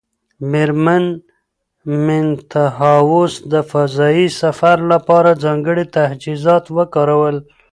مېرمن بینتهاوس د فضایي سفر لپاره ځانګړي تجهیزات وکارول.